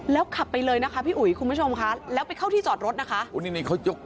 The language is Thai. แล้วขับไปเลยนะคะพี่อุ๋ยคุณผู้ชมค่ะแล้วไปเข้าที่จอดรถนะคะ